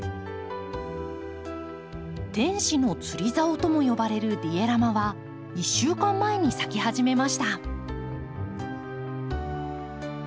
「天使の釣りざお」とも呼ばれるディエラマは１週間前に咲き始めました。